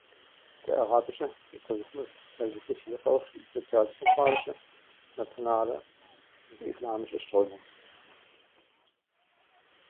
Der arabische Sozialismus teilte sich hierauf in sozialdemokratische, nationale und islamische Strömungen.